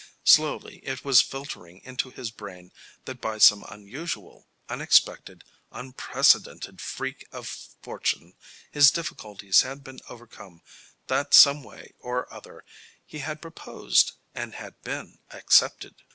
Slowly it was filtering into his brain that by some unusual, unexpected, unprecedented freak of fortune his difficulties had been overcome; that some way or other he had proposed and had been accepted.